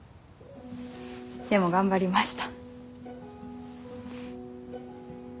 でも頑張りました。